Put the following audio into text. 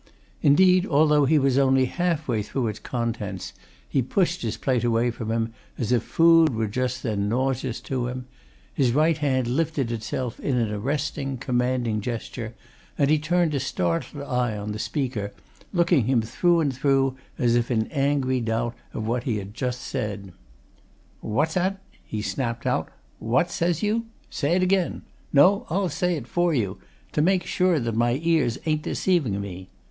Indeed, although he was only half way through its contents, he pushed his plate away from him as if food were just then nauseous to him; his right hand lifted itself in an arresting, commanding gesture, and he turned a startled eye on the speaker, looking him through and through as if in angry doubt of what he had just said. "What's that?" he snapped out. "What says you? Say it again no, I'll say it for you to make sure that my ears ain't deceiving me!